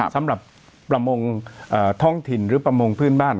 สำหรับประมงท้องถิ่นหรือประมงพื้นบ้าน